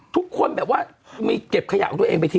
ทุกคนแบบว่ามีเก็บขยะของตัวเองไปที